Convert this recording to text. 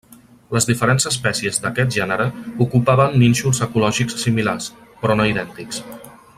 Les diferents espècies d'aquest gènere ocupaven nínxols ecològics similars, però no idèntics.